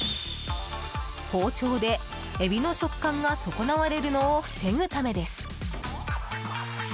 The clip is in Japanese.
包丁でエビの食感が損なわれるのを防ぐためです。